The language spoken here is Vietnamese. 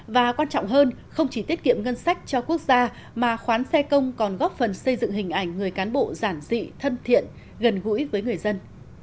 và quan trọng hơn không chỉ tiết kiệm ngân sách cho quốc gia mà khoán xe công còn góp phần xây dựng hình ảnh người cán bộ giản dị thân thiện gần gũi với người dân